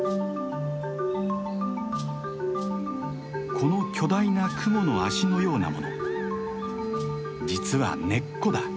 この巨大なクモの脚のようなもの実は根っこだ。